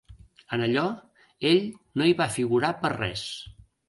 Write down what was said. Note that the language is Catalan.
En allò, ell no hi va figurar per res.